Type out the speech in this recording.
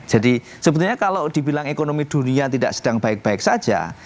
jadi sebetulnya kalau dibilang ekonomi dunia tidak sedang baik baik saja